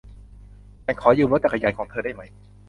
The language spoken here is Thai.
ฉันขอยืมรถจักรยานของเธอได้ไหม